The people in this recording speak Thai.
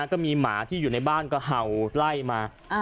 ก็มีหมาที่อยู่ในบ้านก็เห่าไล่มา